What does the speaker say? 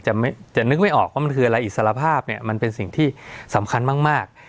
จะนึกไม่ออกว่ามันคืออะไรอิสรภาพเนี่ยมันเป็นสิ่งที่สำคัญมาก